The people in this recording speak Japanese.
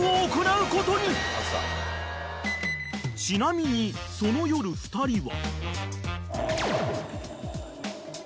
［ちなみにその夜２人は］